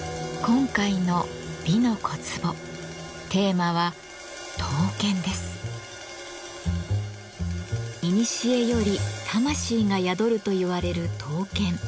今回の「美の小壺」テーマはいにしえより魂が宿るといわれる刀剣。